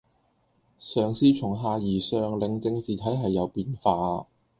嘗試由下而上令政治體制有變化